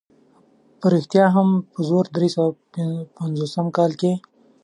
په رښتیا هم په زرو درې سوه پنځوسم کال کې.